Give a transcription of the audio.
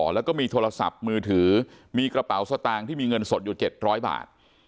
แล้วก็มีโทรศัพท์มือถือมีกระเป๋าสตางค์ที่มีเงินสดอยู่๗๐๐บาท